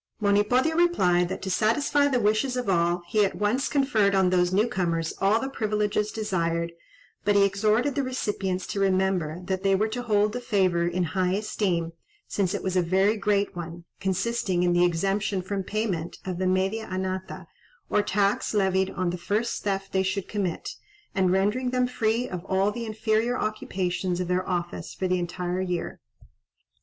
Monipodio replied, that, to satisfy the wishes of all, he at once conferred on those new comers all the privileges desired, but he exhorted the recipients to remember that they were to hold the favour in high esteem, since it was a very great one: consisting in the exemption from payment of the media anata, or tax levied on the first theft they should commit, and rendering them free of all the inferior occupations of their office for the entire year.